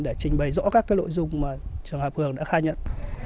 để trình bày rõ các lội dung mà trường hợp hường đã khai nhận